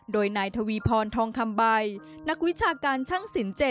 โดยนายทวีพรทองคำใบนักวิชาการช่างสิน๗